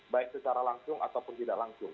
baik secara langsung ataupun tidak langsung